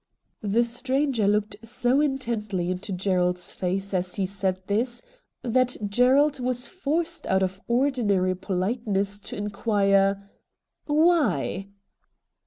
The stranger looked so intently into Gerald's face as he said this that Gerald was forced out of ordinary politeness to inquire, ' Why